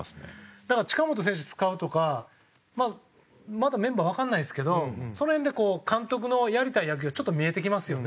だから近本選手使うとかまだメンバーわかんないですけどその辺でこう監督のやりたい野球がちょっと見えてきますよね。